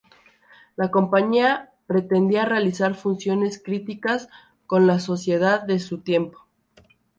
La compañía pretendía realizar funciones críticas con la sociedad de su tiempo.